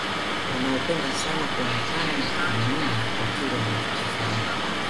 wanaopenda sana kuonekana na kuthaminiwa kwa kile wanachokifanya